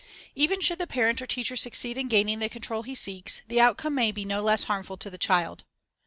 Even should the parent or teacher succeed in gaining the control he seeks, the outcome may be no less harmful to the child.